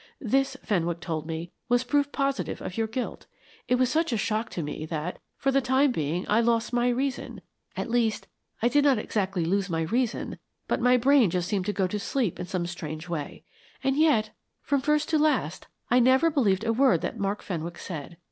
This, Fenwick told me, was proof positive of your guilt. It was such a shock to me that, for the time being, I lost my reason at least, I did not exactly lose my reason, but my brain just seemed to go to sleep in some strange way. And yet, from first to last, I never believed a word that Mark Fenwick said.